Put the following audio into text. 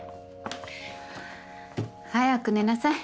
早く寝なさい。